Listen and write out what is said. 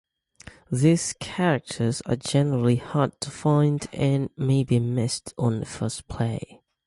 These characters are generally hard to find and may be missed on first play.